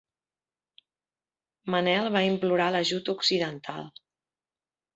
Manel va implorar l'ajut occidental.